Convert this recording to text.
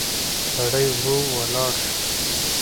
سړی ورو ولاړ شو.